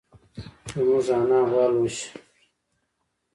زموږ انا غوا لوسي.